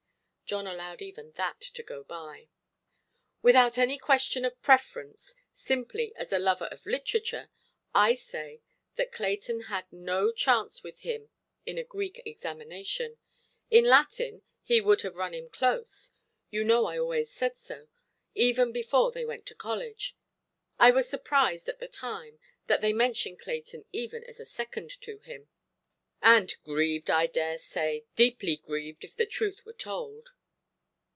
John allowed even that to go by. "Without any question of preference, simply as a lover of literature, I say that Clayton had no chance with him in a Greek examination. In Latin he would have run him close. You know I always said so, even before they went to college. I was surprised, at the time, that they mentioned Clayton even as second to him". "And grieved, I dare say, deeply grieved, if the truth were told"!